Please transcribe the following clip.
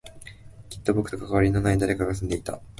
きっと僕と関わりのない誰かが住んでいた